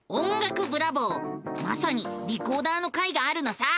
まさにリコーダーの回があるのさ！